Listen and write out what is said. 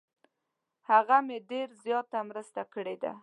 هغه مې ډیر زیاته مرسته کړې ده.